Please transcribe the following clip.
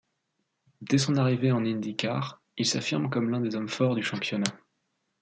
Dès son arrivée en IndyCar, il s'affirme comme l'un des hommes forts du championnat.